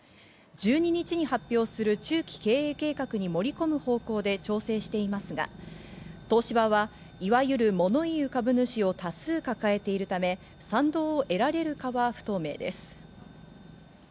１２日に発表する中期経営計画に盛り込む方向で調整していますが、東芝はいわゆる、もの言う株主を多数抱えているため、賛同を得られるかは不透明です。